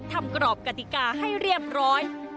กรอบกติกาให้เรียบร้อย